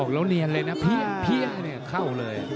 แล้วเนียนเลยนะเพี้ยเข้าเลย